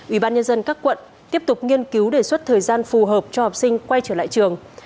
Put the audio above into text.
ủy ban nhân dân các quận tiếp tục nghiên cứu đề xuất thời gian phù hợp cho học sinh quay trở lại trường